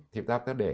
thì ta để